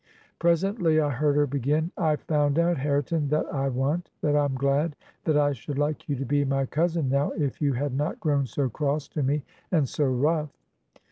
... Pres ently I heard her begin, 'I've found out, Hareton, that I want — that I'm glad — ^that I should Uke you to be my cousin now, if you had not grown so cross to me and so rough.'